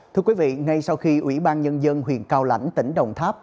thưa quý vị ngay sau khi ủy ban nhân dân huyện cao lãnh tỉnh đồng tháp